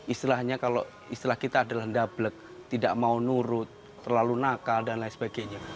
istilahnya kalau istilah kita adalah dablek tidak mau nurut terlalu nakal dan lain sebagainya